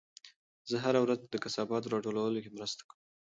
زه هره ورځ د کثافاتو راټولولو کې مرسته کوم.